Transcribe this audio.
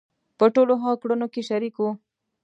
په ټولو هغو کړنو کې شریک وو.